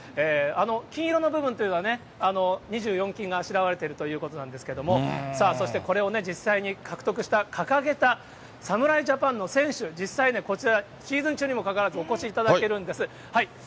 金色の部分というのは、２４金があしらわれているということなんですけれども、さあそしてこれをね、実際に獲得した、掲げた侍ジャパンの選手、実際ね、こちら、シーズン中にもかかわらず、お越しいただけるんです。